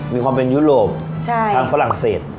มีความเป็นยุโรปทางฝรั่งเศส